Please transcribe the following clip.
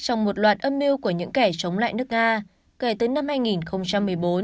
trong một loạt âm mưu của những kẻ chống lại nước nga kể từ năm hai nghìn một mươi bốn